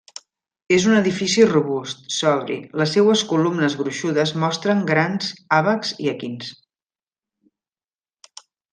És un edifici robust, sobri; les seues columnes gruixudes mostren grans àbacs i equins.